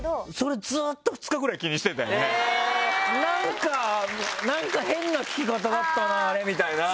なんかなんか変な聞き方だったなあれみたいな。